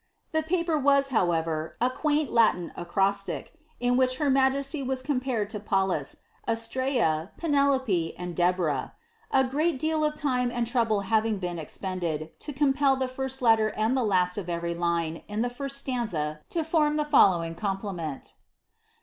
The paper was, however, a quaint Iau acrostic, in which her majesty was compared to Pallas, Astrea, Pent lope, and Debora ; a great deal of lime and trouble having been ei pended, lo compel the firsi letter and the last of every line in the fin sl&nza lo form the following compliment :— 'Frnm aM.